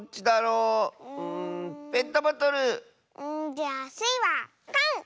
じゃあスイはかん！